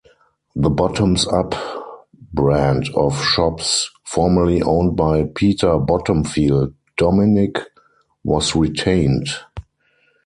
The "Bottoms Up" brand of shops, formerly owned by Peter Bottomfield Dominic, was retained.